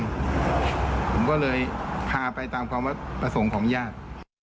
ผมก็เลยพาไปตามความประสงค์ของญาติ